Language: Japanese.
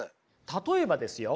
例えばですよ